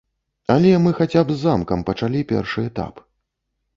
Але мы хаця б з замкам пачалі першы этап.